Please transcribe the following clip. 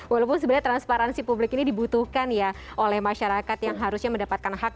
walaupun sebenarnya transparansi publik ini dibutuhkan ya oleh masyarakat yang harusnya mendapatkan hak